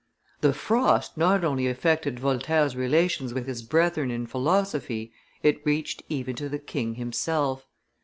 The "frost" not only affected Voltaire's relations with his brethren in philosophy, it reached even to the king himself.